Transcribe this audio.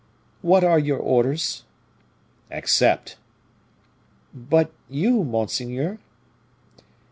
"What are your orders?" "Accept!" "But you, monseigneur?"